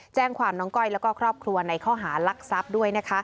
แจ้งความน้องก้อยแล้วก็ครอบครัวในข้อหารักทรัพย์ด้วย